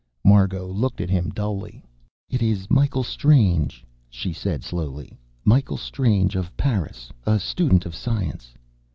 Margot looked at him dully. "It is Michael Strange," she said slowly. "Michael Strange, of Paris. A student of science."